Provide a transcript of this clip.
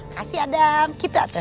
kasih adam kita atur